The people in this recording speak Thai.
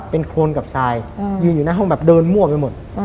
เป็นโครนกับทรายมีอยู่หน้าห้องแบบเดินมั่วไปหมด